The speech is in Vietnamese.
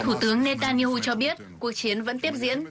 thủ tướng netanyahu cho biết cuộc chiến vẫn tiếp diễn